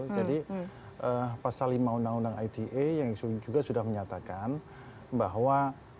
jadi pasal lima undang undang ite yang juga sudah menyatakan bahwa